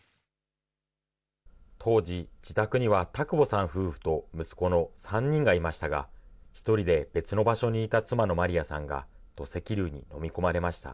当時、自宅には田窪さん夫婦と息子の３人がいましたが、１人で別の場所にいた妻のマリヤさんが、土石流に飲み込まれました。